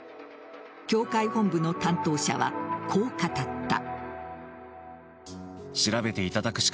教会本部の担当者は、こう語った。